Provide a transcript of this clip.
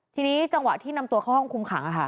ทีนี้จังหวะที่นำตัวเข้าห้องคุมขัง